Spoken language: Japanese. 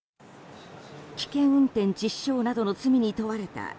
危険運転致死傷などの罪に問われた、